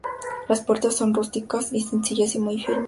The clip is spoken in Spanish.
Las puertas son rústicas y sencillas y muy firmes.